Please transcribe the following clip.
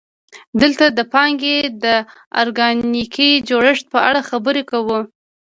دلته د پانګې د ارګانیکي جوړښت په اړه خبرې کوو